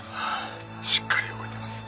「しっかり動いてます」